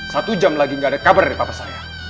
satu jam lagi gak ada kabar dari papa saya